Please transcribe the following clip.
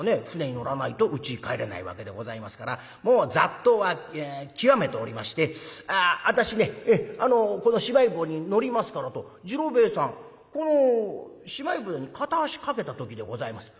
舟に乗らないとうちに帰れないわけでございますからもうざっと極めておりまして「私ねこのしまい舟に乗りますから」と次郎兵衛さんこのしまい舟に片足かけた時でございます。